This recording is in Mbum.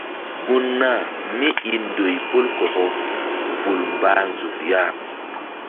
Gun nah míi ndoy pol kɔkɔ vul mbah nzuk ya.